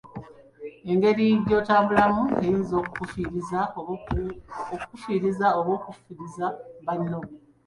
Engeri gy'otambulamu eyinza okukufiiriza oba okufiiriza banno.